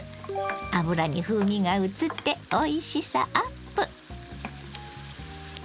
油に風味がうつっておいしさアップ。